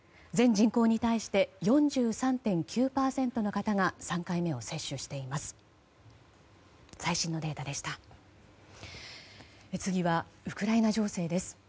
全人口に対して４３．９％の方が３回目を接種しています。